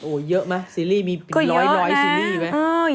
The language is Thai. โอ้เยอะมั้ยซีรีส์มีร้อยซีรีส์ไหม